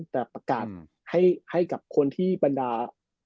แต่ประกาศให้กับคนที่บรรดา